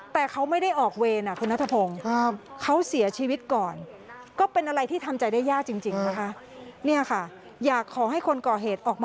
เป็นครั้งแรกที่เขาจะได้เจอลูก